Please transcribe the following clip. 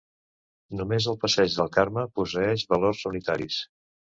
Només el passeig del Carme posseeix valors unitaris.